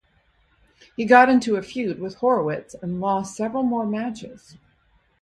He got into a feud with Horowitz and lost several more matches.